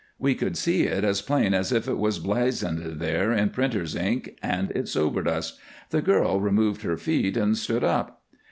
We could see it as plain as if it was blazoned there in printer's ink, and it sobered us. The girl removed her feet and stood up.